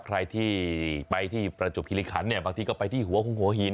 ใครที่ไปที่ประจบคิริขันเนี่ยบางทีก็ไปที่หัวของหัวหิน